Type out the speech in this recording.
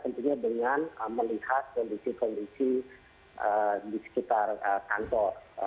tentunya dengan melihat kondisi kondisi di sekitar kantor